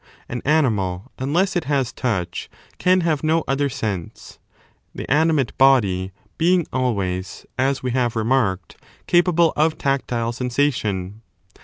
An animal, unless it has touch, can pee ae, have no other sense, the animate body being always, as mal body. we have remarked, capable of tactile sensation.